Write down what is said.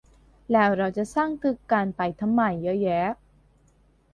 แล้วเราจะสร้างตึกกันไปทำไมเยอะแยะ